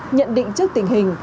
nhận định trước tình hình